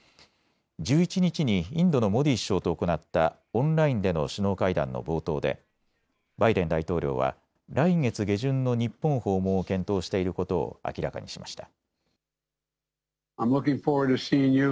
１１日にインドのモディ首相と行ったオンラインでの首脳会談の冒頭でバイデン大統領は来月下旬の日本訪問を検討していることを明らかにしました。